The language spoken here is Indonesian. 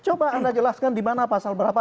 coba anda jelaskan di mana pasal berapa